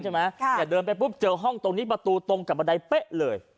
เนี่ยเดินไปปุ๊บเจอห้องตรงนี้ประตูตรงกับบันไดเป๊ะเลย